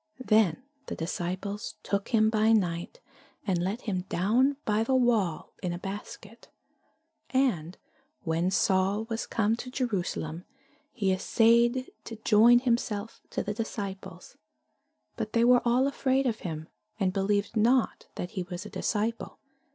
Then the disciples took him by night, and let him down by the wall in a basket. And when Saul was come to Jerusalem, he assayed to join himself to the disciples: but they were all afraid of him, and believed not that he was a disciple.